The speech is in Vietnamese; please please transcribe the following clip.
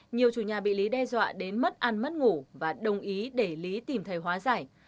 nhiều chủ nhà bị lý đe dọa đến mất ăn mất ngủ và đồng ý để lý tìm thầy hóa giải